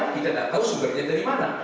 kita tidak tahu sumbernya dari mana